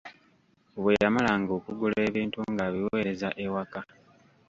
Bwe yamalanga okugula ebintu ng'abiweereza ewaka.